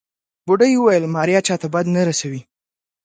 بوډۍ وويل ماريا چاته بد نه رسوي.